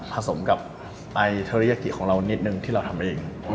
สมกับไอเทอริยากิของเรานิดนึงที่เราทำเอง